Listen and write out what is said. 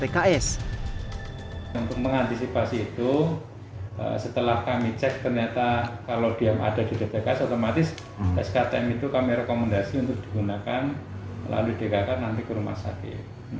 untuk mengantisipasi itu setelah kami cek ternyata kalau dia ada di dpks otomatis sktm itu kami rekomendasi untuk digunakan melalui dkk nanti ke rumah sakit